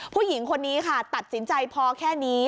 ผู้หญิงคนนี้ค่ะตัดสินใจพอแค่นี้